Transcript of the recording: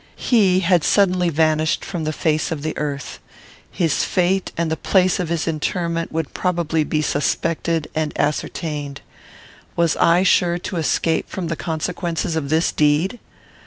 He had suddenly vanished from the face of the earth. His fate and the place of his interment would probably be suspected and ascertained. Was I sure to escape from the consequences of this deed?